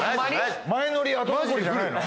前乗り後残りじゃないの？